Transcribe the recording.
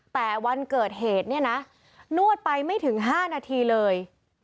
แต่วันเกิดเหตุเนี่ยนะนวดไปไม่ถึง๕นาทีเลย